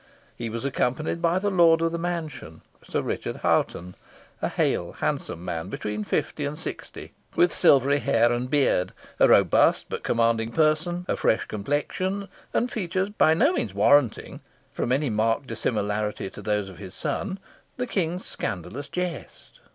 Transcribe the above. He was accompanied by the lord of the mansion, Sir Richard Hoghton, a hale handsome man between fifty and sixty, with silvery hair and beard, a robust but commanding person, a fresh complexion, and features, by no means warranting, from any marked dissimilarity to those of his son, the King's scandalous jest.